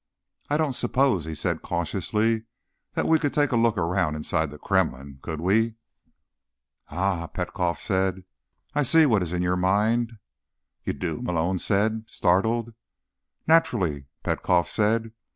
"I don't suppose," he said cautiously, "that we could take a look around inside the Kremlin, could we?" "Aha," Petkoff said. "I see what is in your mind." "You do?" Malone said, startled. "Naturally," Petkoff said.